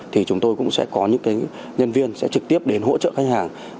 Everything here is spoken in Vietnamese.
thì chúng tôi cũng sẽ có những nhân viên sẽ trực tiếp đến hỗ trợ khách hàng